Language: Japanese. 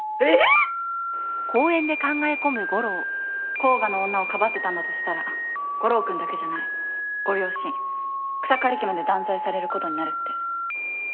甲賀の女をかばってたんだとしたら悟郎君だけじゃないご両親草刈家まで断罪されることになるって